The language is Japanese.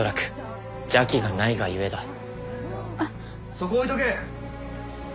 そこ置いとけ。